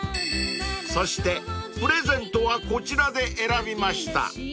［そしてプレゼントはこちらで選びました］